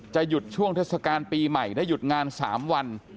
หยุดช่วงเทศกาลปีใหม่ได้หยุดงาน๓วัน